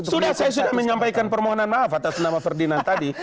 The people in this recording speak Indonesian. sudah saya sudah menyampaikan permohonan maaf atas nama ferdinand tadi